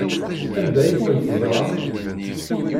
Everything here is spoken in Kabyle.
Anda ay ten-teẓramt?